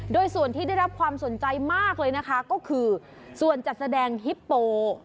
โดยส่วนที่ได้รับความสนใจมากเลยนะคะก็คือส่วนจัดแสดงฮิปโป